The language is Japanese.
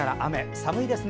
寒いですね。